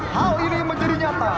hal ini menjadi nyata